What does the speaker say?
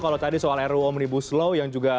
kalau tadi soal ruu omnibus law yang juga